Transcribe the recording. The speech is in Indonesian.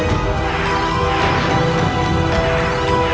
dengan bukeu rasa seperti aku